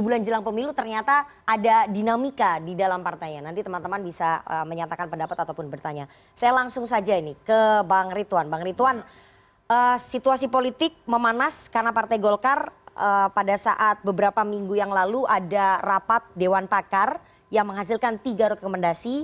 bang rituan situasi politik memanas karena partai golkar pada saat beberapa minggu yang lalu ada rapat dewan pakar yang menghasilkan tiga rekomendasi